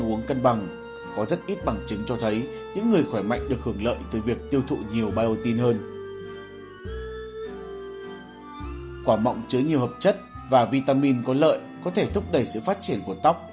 quả mọng chứa nhiều hợp chất và vitamin có lợi có thể thúc đẩy sự phát triển của tóc